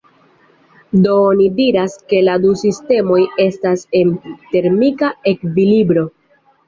Do oni diras ke la du sistemoj estas en termika ekvilibro.